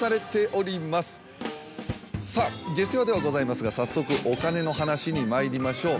さぁ下世話ではございますが早速お金の話にまいりましょう。